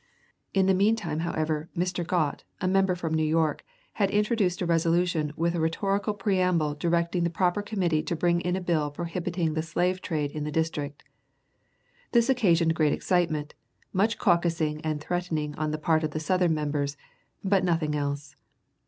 In the meantime, however, Mr. Gott, a member from New York, had introduced a resolution with a rhetorical preamble directing the proper committee to bring in a bill prohibiting the slave trade in the District. This occasioned great excitement, much caucusing and threatening on the part of the Southern members, but nothing else.